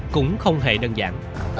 cũng không hề đơn giản